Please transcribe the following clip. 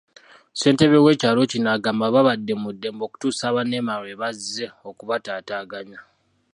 Ssentebe w'ekyalo kino agamba babadde mu ddembe okutuusa aba NEMA lwebazze okubataataaganya.